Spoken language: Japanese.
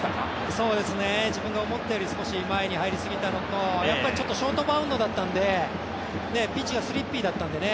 そうですね、自分が思ったより少し前に入りすぎたのとやっぱりショートバウンドだったんで、ピッチがスリッピーだったのでね